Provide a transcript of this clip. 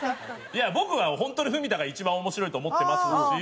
いや僕は本当に文田が一番面白いと思ってますし。